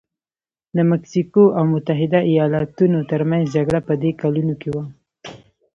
د مکسیکو او متحده ایالتونو ترمنځ جګړه په دې کلونو کې وه.